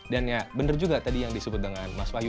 dan ya benar juga tadi yang disebut dengan mas wahyu